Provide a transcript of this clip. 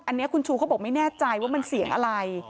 อันนี้คุณชูเขาบอกไม่แน่ใจว่ามันเสียงอะไร